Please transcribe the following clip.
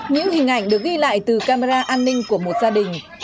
những hình ảnh được ghi lại từ camera an ninh của một gia đình